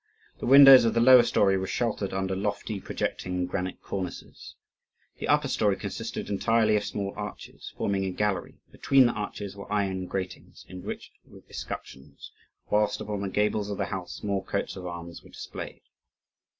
The windows of the lower story were sheltered under lofty, projecting granite cornices. The upper story consisted entirely of small arches, forming a gallery; between the arches were iron gratings enriched with escutcheons; whilst upon the gables of the house more coats of arms were displayed.